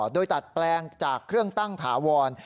โดยดัดแปลงจากเครื่องตั้งถาวร